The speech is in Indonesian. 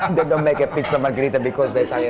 mereka tidak membuat pizza margherita karena pembunuh italia